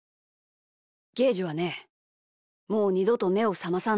ゲージはねもうにどとめをさまさない。